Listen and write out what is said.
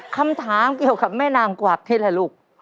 คำถามเกี่ยวกับแม่นางกวักนี่แหละลูก